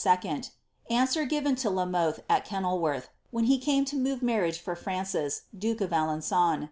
— Answer given to Ld Moihe. at Kenilworth, when he came to move marriage for Francis, duke of Aleni; on.